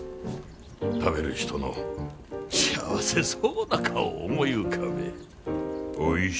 食べる人の幸せそうな顔を思い浮かべえ。